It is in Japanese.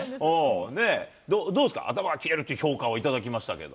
どうですか、頭がキレるっていう評価をいただきましたけど。